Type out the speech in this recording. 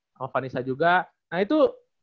sama vanessa juga nah itu